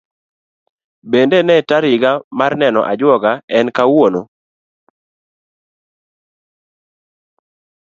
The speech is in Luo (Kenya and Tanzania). Bende ne tariga mar neno ajuoga en kawuono?